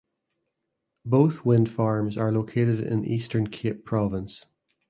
Both wind farms are located in Eastern Cape Province.